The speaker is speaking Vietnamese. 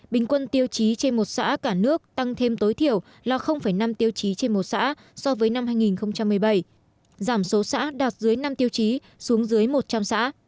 bình quân tiêu chí trên một xã cả nước tăng thêm tối thiểu là năm tiêu chí trên một xã so với năm hai nghìn một mươi bảy giảm số xã đạt dưới năm tiêu chí xuống dưới một trăm linh xã